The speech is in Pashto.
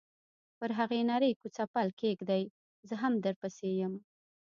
پر هغې نرۍ کوڅه پل کېږدۍ، زه هم درپسې یم.